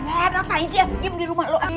eh ada apaan sih yang gim di rumah lo